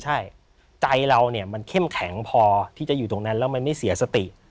ใช่ใจเราเนี่ยมันเข้มแข็งพอที่จะอยู่ตรงนั้นแล้วมันไม่เสียสติ